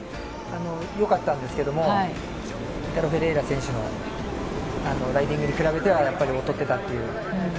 よかったんですけれども、イタロ・フェレイラ選手のライディングに比べては、やっぱり劣ってたという。